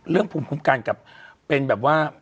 ภูมิคุ้มกันกับเป็นแบบว่า